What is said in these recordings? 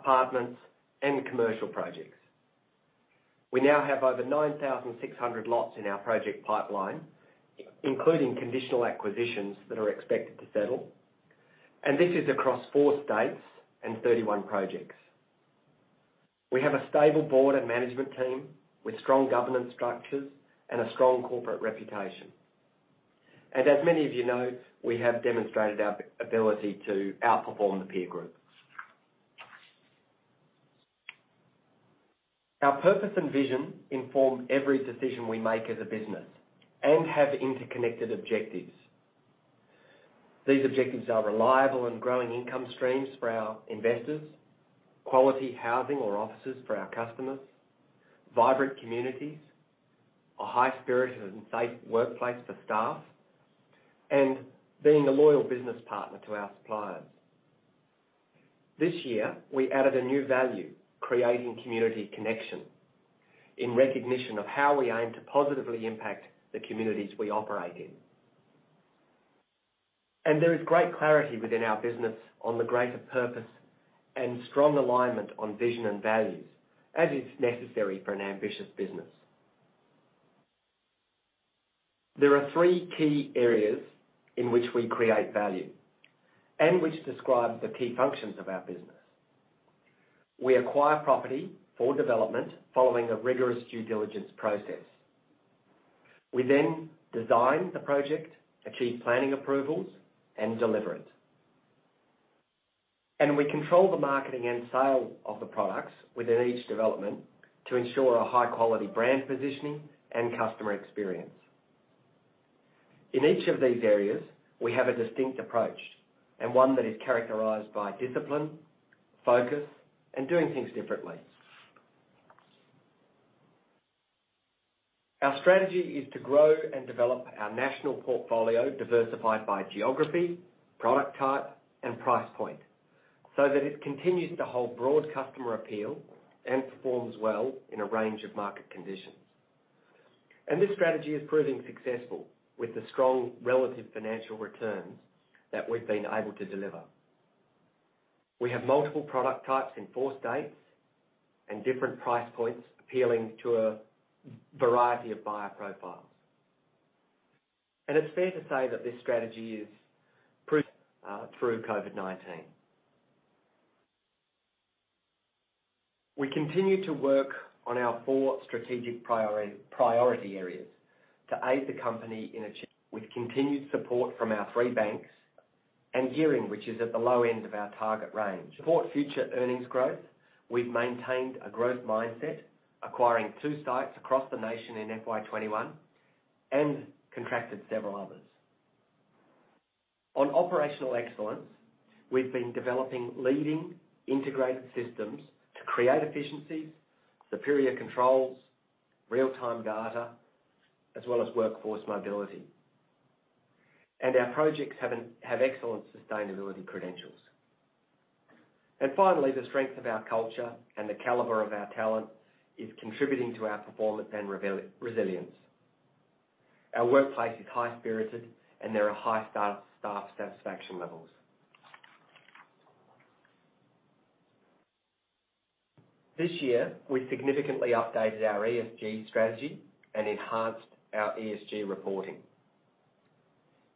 Houses, apartments, and commercial projects. We now have over 9,600 lots in our project pipeline, including conditional acquisitions that are expected to settle. This is across four states and 31 projects. We have a stable board and management team with strong governance structures and a strong corporate reputation. As many of you know, we have demonstrated our ability to outperform the peer group. Our purpose and vision inform every decision we make as a business and have interconnected objectives. These objectives are reliable and growing income streams for our investors, quality housing or offices for our customers, vibrant communities, a high-spirited and safe workplace for staff, and being a loyal business partner to our suppliers. This year, we added a new value, creating community connection, in recognition of how we aim to positively impact the communities we operate in. There is great clarity within our business on the greater purpose and strong alignment on vision and values, as is necessary for an ambitious business. There are three key areas in which we create value and which describes the key functions of our business. We acquire property for development following a rigorous due diligence process. We design the project, achieve planning approvals, and deliver it. We control the marketing and sale of the products within each development to ensure a high-quality brand positioning and customer experience. In each of these areas, we have a distinct approach, and one that is characterized by discipline, focus, and doing things differently. Our strategy is to grow and develop our national portfolio diversified by geography, product type, and price point, so that it continues to hold broad customer appeal and performs well in a range of market conditions. This strategy is proving successful with the strong relative financial returns that we've been able to deliver. We have multiple product types in four states and different price points appealing to a variety of buyer profiles. It's fair to say that this strategy is proven through COVID-19. We continue to work on our four strategic priority areas with continued support from our three banks and gearing, which is at the low end of our target range. For future earnings growth, we've maintained a growth mindset, acquiring two sites across the nation in FY 2021, and contracted several others. On operational excellence, we've been developing leading integrated systems to create efficiencies, superior controls, real-time data, as well as workforce mobility. Our projects have excellent sustainability credentials. Finally, the strength of our culture and the caliber of our talent is contributing to our performance and resilience. Our workplace is high-spirited, and there are high staff satisfaction levels. This year, we significantly updated our ESG strategy and enhanced our ESG reporting.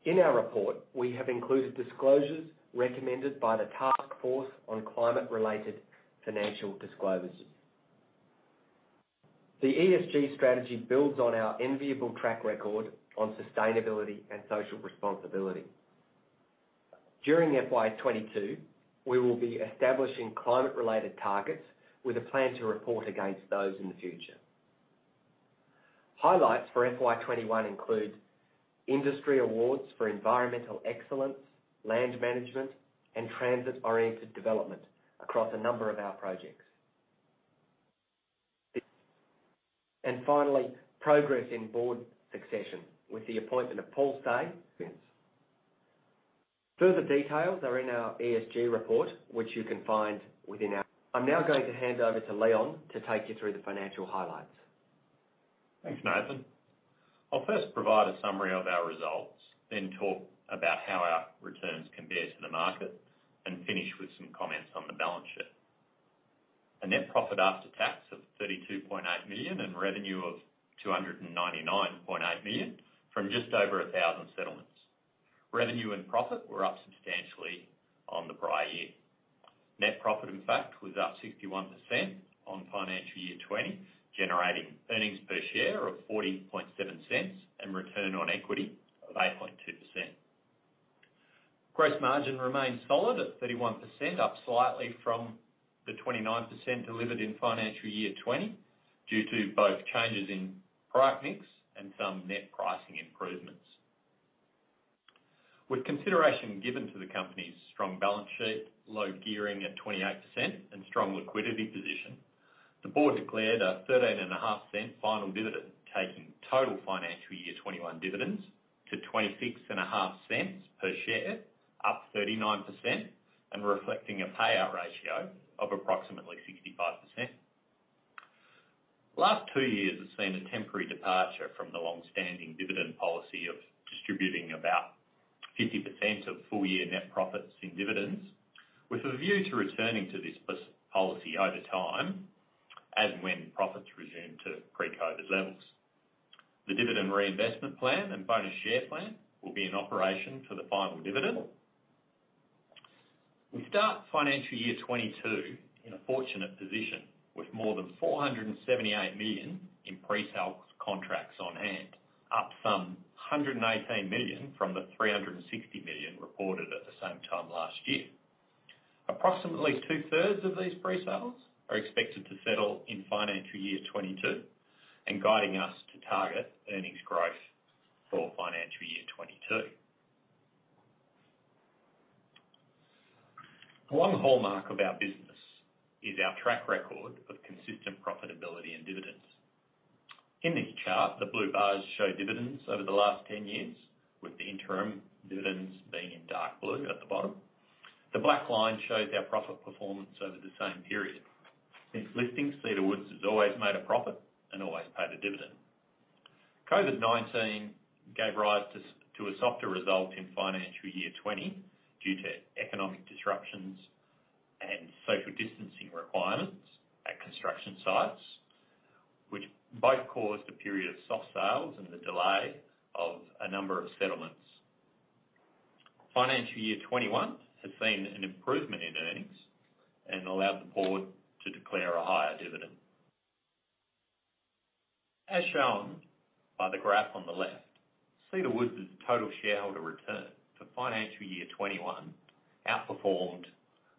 In our report, we have included disclosures recommended by the Task Force on Climate-related Financial Disclosures. The ESG strategy builds on our enviable track record on sustainability and social responsibility. During FY 2022, we will be establishing climate-related targets with a plan to report against those in the future. Highlights for FY 2021 include industry awards for environmental excellence, land management, and transit-oriented development across a number of our projects. Finally, progress in board succession with the appointment of Paul Say. Further details are in our ESG report, which you can find within our. I'm now going to hand over to Leon to take you through the financial highlights. Thanks, Nathan. I'll first provide a summary of our results, then talk about how our returns compare to the market, and finish with some comments on the balance sheet. A net profit after tax of 32.8 million and revenue of 299.8 million from just over 1,000 settlements. Revenue and profit were up substantially on the prior year. Net profit, in fact, was up 61% on FY 2020, generating earnings per share of 0.407 and return on equity of 8.2%. Gross margin remains solid at 31%, up slightly from the 29% delivered in FY 2020, due to both changes in product mix and some net pricing improvements. With consideration given to the Company's strong balance sheet, low gearing at 28% and strong liquidity position, the board declared a 0.135 final dividend, taking total FY 2021 dividends to 0.265 per share, up 39% and reflecting a payout ratio of approximately 65%. The last two years has seen a temporary departure from the longstanding dividend policy of distributing about 50% of full-year net profits in dividends, with a view to returning to this policy over time as and when profits resume to pre-COVID levels. The Dividend Reinvestment Plan and Bonus Share Plan will be in operation for the final dividend. We start FY 2022 in a fortunate position, with more than 478 million in pre-sale contracts on hand, up some 118 million from the 360 million reported at the same time last year. Approximately two-thirds of these pre-sales are expected to settle in financial year 2022 and guiding us to target earnings growth for financial year 2022. One hallmark of our business is our track record of consistent profitability and dividends. In this chart, the blue bars show dividends over the last 10 years, with the interim dividends being in dark blue at the bottom. The black line shows our profit performance over the same period. Since listing, Cedar Woods has always made a profit and always paid a dividend. COVID-19 gave rise to a softer result in financial year 2020 due to economic disruptions and social distancing requirements at construction sites, which both caused a period of soft sales and the delay of a number of settlements. Financial year 2021 has seen an improvement in earnings and allowed the board to declare a higher dividend. As shown by the graph on the left, Cedar Woods' total shareholder return for FY 2021 outperformed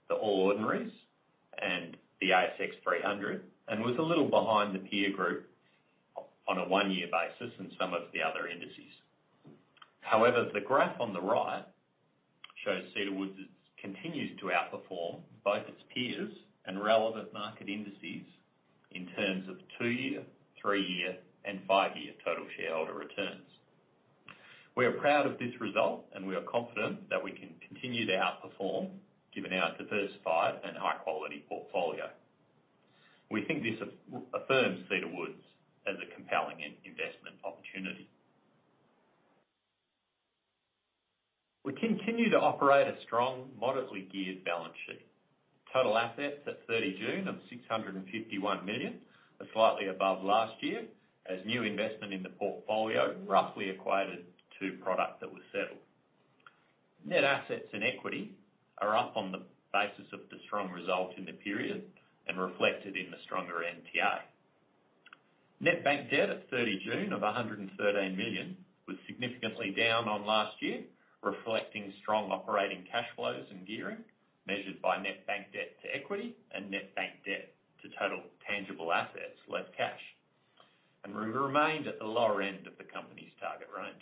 the All Ordinaries and the ASX 300 and was a little behind the peer group on a one-year basis and some of the other indices. The graph on the right shows Cedar Woods continues to outperform both its peers and relevant market indices in terms of two-year, three-year, and five-year total shareholder returns. We are proud of this result, and we are confident that we can continue to outperform given our diversified and high-quality portfolio. We think this affirms Cedar Woods as a compelling investment opportunity. We continue to operate a strong, moderately geared balance sheet. Total assets at June 30th of 651 million are slightly above last year, as new investment in the portfolio roughly equated to product that was settled. Net assets and equity are up on the basis of the strong result in the period and reflected in the stronger NTA. Net bank debt at June 30th of 113 million was significantly down on last year, reflecting strong operating cash flows and gearing measured by net bank debt to equity and net bank debt to total tangible assets less cash. We remained at the lower end of the Company's target range.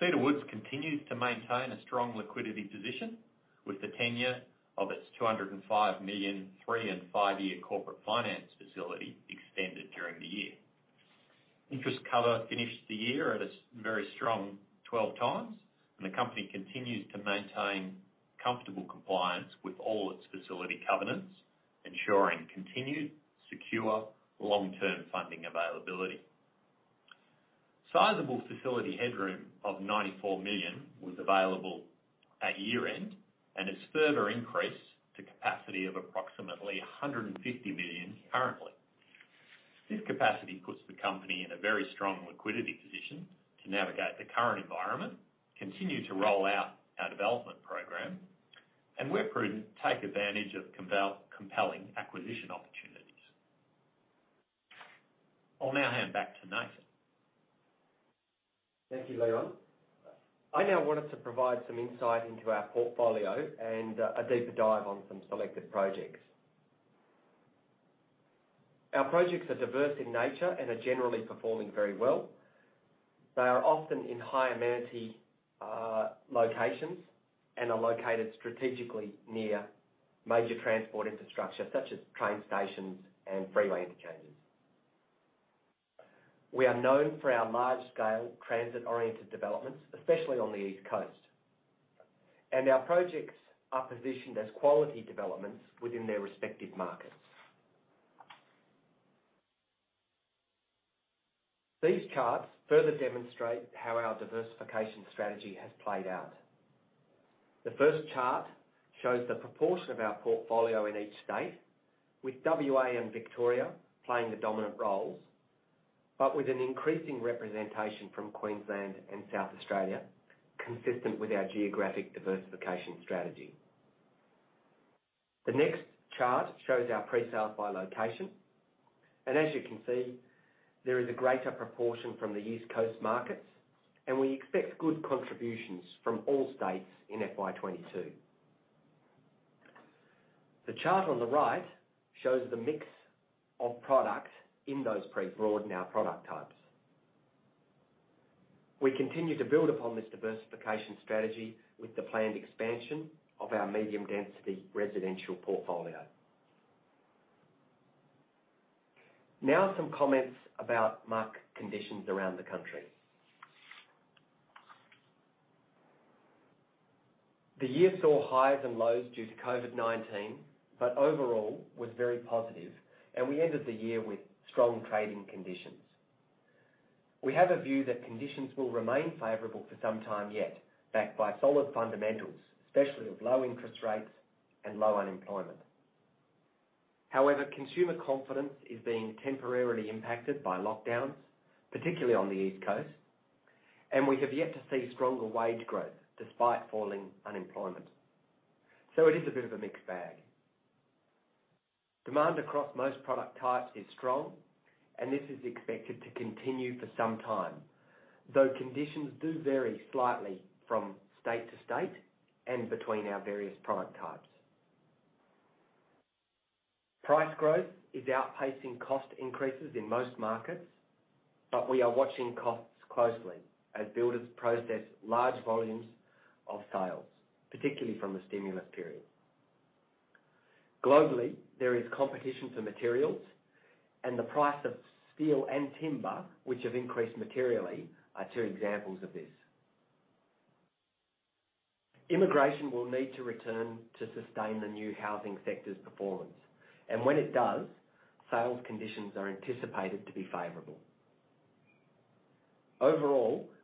Cedar Woods continues to maintain a strong liquidity position with the tenure of its 205 million three and five-year corporate finance facility extended during the year. Interest cover finished the year at a very strong 12 times, and the Company continues to maintain comfortable compliance with all its facility covenants, ensuring continued, secure, long-term funding availability. Sizable facility headroom of 94 million was available at year-end and has further increased to capacity of approximately 150 million currently. This capacity puts the Company in a very strong liquidity position to navigate the current environment, continue to roll out our development program, and where prudent, take advantage of compelling acquisition opportunities. I'll now hand back to Nathan. Thank you, Leon. I now wanted to provide some insight into our portfolio and a deeper dive on some selected projects. Our projects are diverse in nature and are generally performing very well. They are often in high amenity locations and are located strategically near major transport infrastructure, such as train stations and freeway interchanges. We are known for our large-scale transit-oriented developments, especially on the East Coast. Our projects are positioned as quality developments within their respective markets. These charts further demonstrate how our diversification strategy has played out. The first chart shows the proportion of our portfolio in each state, with WA and Victoria playing the dominant roles, but with an increasing representation from Queensland and South Australia, consistent with our geographic diversification strategy. The next chart shows our pre-sales by location, and as you can see, there is a greater proportion from the East Coast markets, and we expect good contributions from all states in FY 2022. The chart on the right shows the mix of product in those broaden our product types. We continue to build upon this diversification strategy with the planned expansion of our medium-density residential portfolio. Some comments about market conditions around the country. The year saw highs and lows due to COVID-19, but overall was very positive, and we ended the year with strong trading conditions. We have a view that conditions will remain favorable for some time yet, backed by solid fundamentals, especially with low interest rates and low unemployment. Consumer confidence is being temporarily impacted by lockdowns, particularly on the East Coast, and we have yet to see stronger wage growth despite falling unemployment. It is a bit of a mixed bag. Demand across most product types is strong, and this is expected to continue for some time. Though conditions do vary slightly from state to state and between our various product types. Price growth is outpacing cost increases in most markets, but we are watching costs closely as builders process large volumes of sales, particularly from the stimulus period. Globally, there is competition for materials, and the price of steel and timber, which have increased materially, are two examples of this. Immigration will need to return to sustain the new housing sector's performance, and when it does, sales conditions are anticipated to be favorable.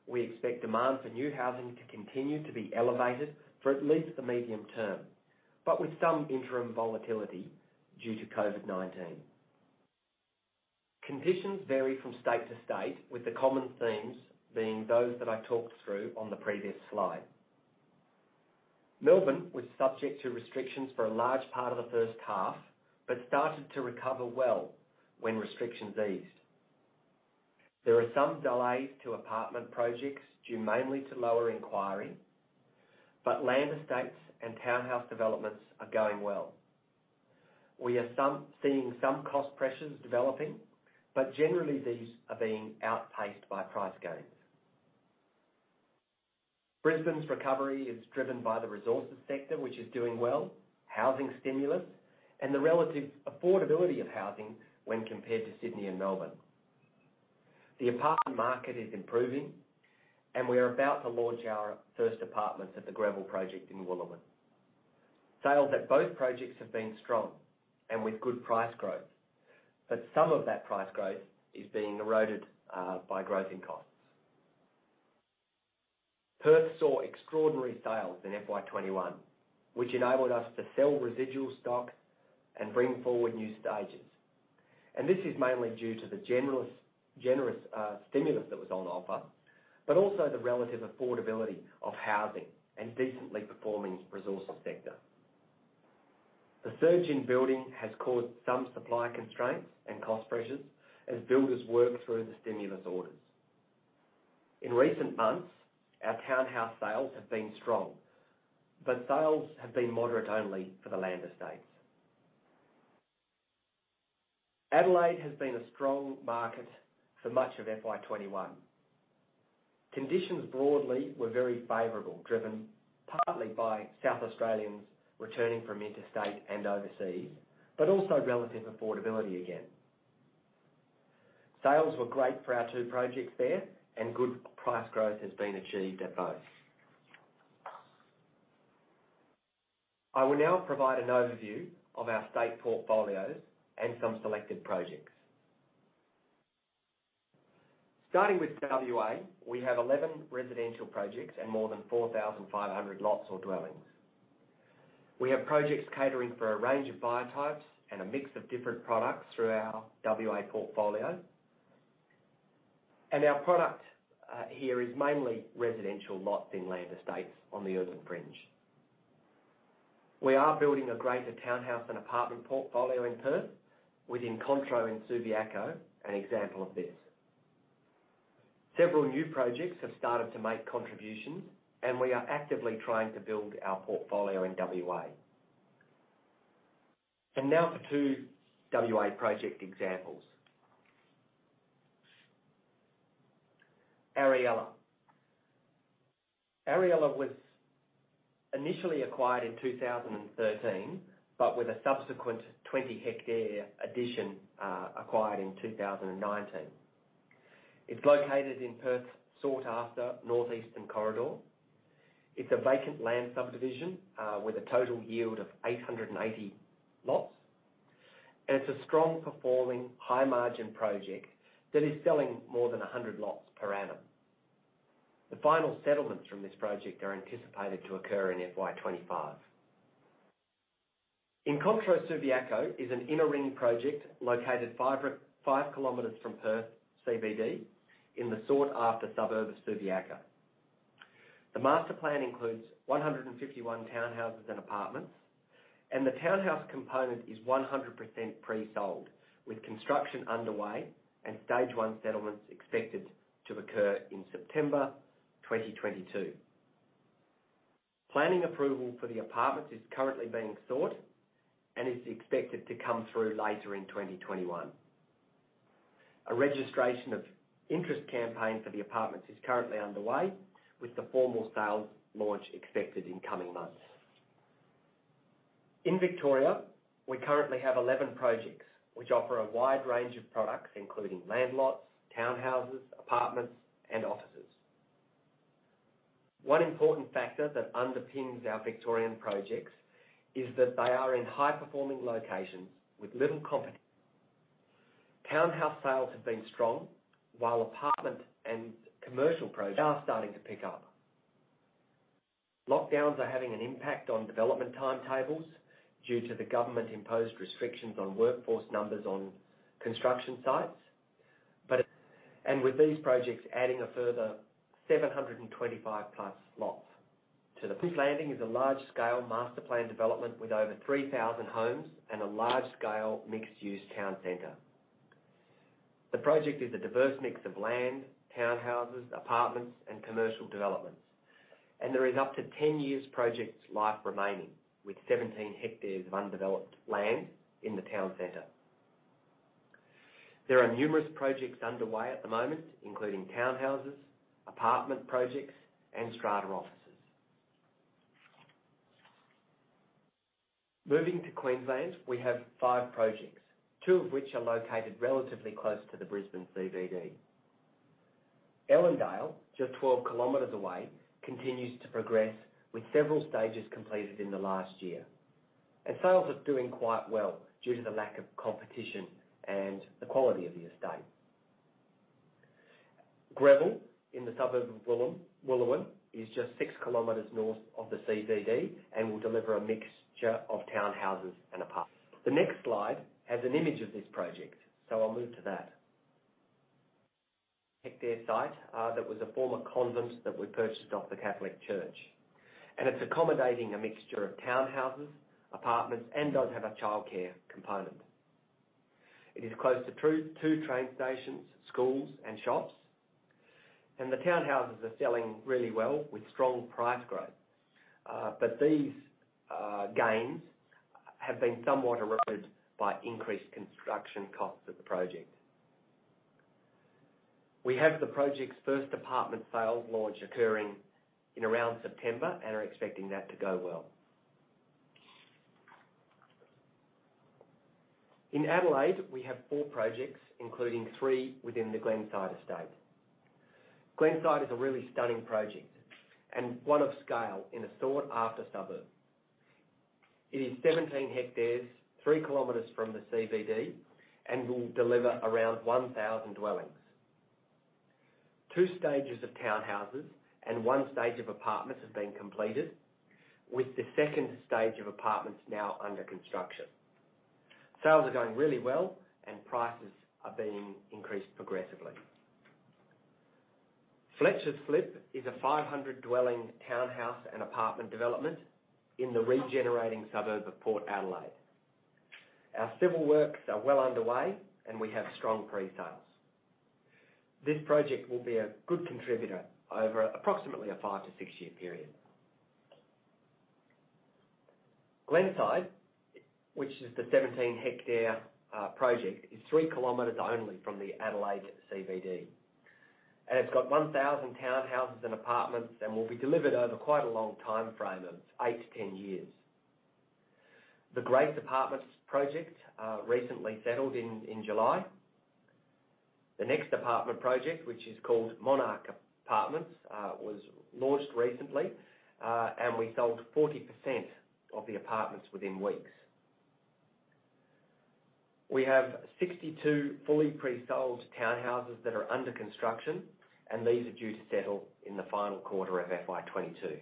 We expect demand for new housing to continue to be elevated for at least the medium term, but with some interim volatility due to COVID-19. Conditions vary from state to state, with the common themes being those that I talked through on the previous slide. Melbourne was subject to restrictions for a large part of the first half, but started to recover well when restrictions eased. There are some delays to apartment projects, due mainly to lower inquiry, but land estates and townhouse developments are going well. We are seeing some cost pressures developing, but generally, these are being outpaced by price gains. Brisbane's recovery is driven by the resources sector, which is doing well, housing stimulus, and the relative affordability of housing when compared to Sydney and Melbourne. The apartment market is improving, and we are about to launch our first apartments at the Greville project in Wooloowin. Sales at both projects have been strong and with good price growth, but some of that price growth is being eroded by growth in costs. Perth saw extraordinary sales in FY 2021, which enabled us to sell residual stock and bring forward new stages. This is mainly due to the generous stimulus that was on offer, but also the relative affordability of housing and decently performing resources sector. The surge in building has caused some supply constraints and cost pressures as builders work through the stimulus orders. In recent months, our townhouse sales have been strong, but sales have been moderate only for the land estates. Adelaide has been a strong market for much of FY 2021. Conditions broadly were very favorable, driven partly by South Australians returning from interstate and overseas, but also relative affordability again. Sales were great for our two projects there, and good price growth has been achieved at both. I will now provide an overview of our state portfolios and some selected projects. Starting with WA, we have 11 residential projects and more than 4,500 lots or dwellings. We have projects catering for a range of buyer types and a mix of different products through our WA portfolio. Our product here is mainly residential lots in land estates on the urban fringe. We are building a greater townhouse and apartment portfolio in Perth, with Incontro in Subiaco an example of this. Several new projects have started to make contributions, and we are actively trying to build our portfolio in WA. Now for 2 WA project examples. Ariella. Ariella was initially acquired in 2013, but with a subsequent 20-hectare addition acquired in 2019. It's located in Perth's sought-after northeastern corridor. It's a vacant land subdivision with a total yield of 880 lots. It's a strong performing, high-margin project that is selling more than 100 lots per annum. The final settlements from this project are anticipated to occur in FY 2025. Incontro, Subiaco is an inner-ring project located 5 km from Perth CBD in the sought-after suburb of Subiaco. The master plan includes 151 townhouses and apartments, and the townhouse component is 100% pre-sold, with construction underway and Stage 1 settlements expected to occur in September 2022. Planning approval for the apartments is currently being sought and is expected to come through later in 2021. A registration of interest campaign for the apartments is currently underway, with the formal sales launch expected in coming months. In Victoria, we currently have 11 projects which offer a wide range of products, including land lots, townhouses, apartments, and offices. One important factor that underpins our Victorian projects is that they are in high-performing locations with little competition. Townhouse sales have been strong, while apartment and commercial projects are starting to pick up. Lockdowns are having an impact on development timetables due to the government-imposed restrictions on workforce numbers on construction sites. With these projects adding a further 725+ lots, Williams Landing is a large-scale master-plan development with over 3,000 homes and a large-scale mixed-use town center. The project is a diverse mix of land, townhouses, apartments, and commercial developments. There is up to 10 years project life remaining, with 17 hectares of undeveloped land in the town center. There are numerous projects underway at the moment, including townhouses, apartment projects, and strata offices. Moving to Queensland, we have five projects, two of which are located relatively close to the Brisbane CBD. Ellendale, just 12 km away, continues to progress with several stages completed in the last year, and sales are doing quite well due to the lack of competition and the quality of the estate. Greville, in the suburb of Wooloowin, is just 6 km north of the CBD and will deliver a mixture of townhouses and apartments. The next slide has an image of this project, so I'll move to that. It's a hectare site that was a former convent that we purchased off the Catholic Church, and it's accommodating a mixture of townhouses, apartments, and does have a childcare component. It is close to two train stations, schools, and shops, and the townhouses are selling really well with strong price growth. These gains have been somewhat eroded by increased construction costs of the project. We have the project's first apartment sales launch occurring in around September and are expecting that to go well. In Adelaide, we have four projects, including three within the Glenside estate. Glenside is a really stunning project and one of scale in a sought-after suburb. It is 17 hectares, 3 km from the CBD and will deliver around 1,000 dwellings. Two stages of townhouses and one stage of apartments have been completed, with the second stage of apartments now under construction. Sales are going really well, and prices are being increased progressively. Fletcher's Slip is a 500-dwelling townhouse and apartment development in the regenerating suburb of Port Adelaide. Our civil works are well underway, and we have strong pre-sales. This project will be a good contributor over approximately a five to six-year period. Glenside, which is the 17-hectare project, is 3 km only from the Adelaide CBD, and it's got 1,000 townhouses and apartments and will be delivered over quite a long timeframe of 8 to 10 years. The Grace Apartments project recently settled in July. The next apartment project, which is called Monarch Apartments, was launched recently, and we sold 40% of the apartments within weeks. We have 62 fully pre-sold townhouses that are under construction, and these are due to settle in the final quarter of FY 2022.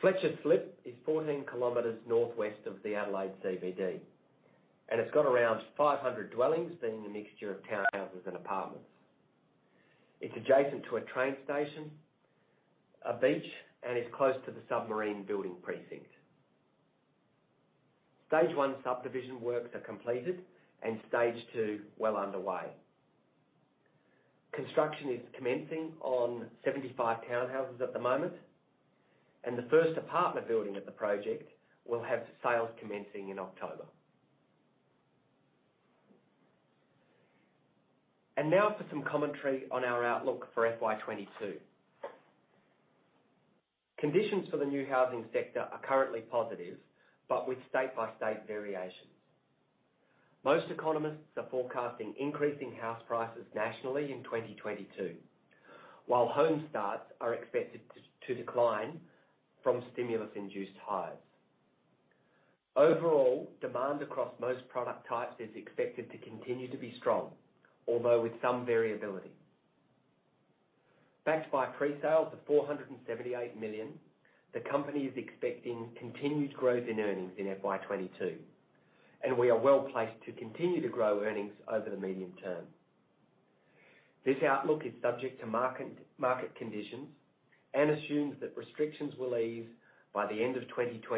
Fletcher's Slip is 14 kilometers northwest of the Adelaide CBD, and it's got around 500 dwellings, being a mixture of townhouses and apartments. It's adjacent to a train station, a beach, and is close to the submarine building precinct. Stage 1 subdivision works are completed, and Stage 2 well underway. Construction is commencing on 75 townhouses at the moment. The first apartment building at the project will have sales commencing in October. Now for some commentary on our outlook for FY 2022. Conditions for the new housing sector are currently positive, but with state-by-state variations. Most economists are forecasting increasing house prices nationally in 2022, while home starts are expected to decline from stimulus-induced highs. Overall, demand across most product types is expected to continue to be strong, although with some variability. Backed by pre-sales of 478 million, the Company is expecting continued growth in earnings in FY 2022, and we are well placed to continue to grow earnings over the medium term. This outlook is subject to market conditions and assumes that restrictions will ease by the end of 2022.